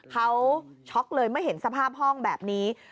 เขาช็อกเลยเมื่อเห็นสภาพห้องแบบนี้